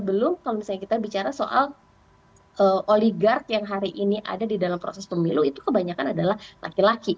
belum kalau misalnya kita bicara soal oligard yang hari ini ada di dalam proses pemilu itu kebanyakan adalah laki laki